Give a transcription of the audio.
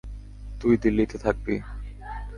তুই দিল্লীতে থাকবি?